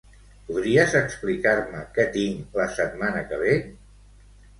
Podries explicar-me què tinc la setmana que ve?